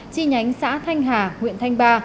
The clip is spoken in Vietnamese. chi nhánh xã thanh hà huyện thanh ba